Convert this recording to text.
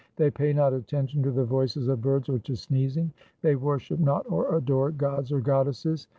They pay not attention to the voices of birds or to sneezing. They worship not or adore gods or goddesses.